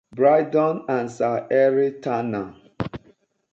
Brydon and Sir Henry Tanner.